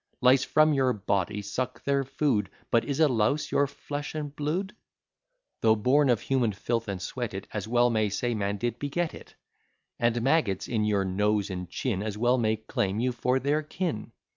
Lice from your body suck their food; But is a louse your flesh and blood? Though born of human filth and sweat, it As well may say man did beget it. And maggots in your nose and chin As well may claim you for their kin.